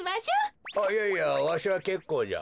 あっいやいやわしはけっこうじゃ。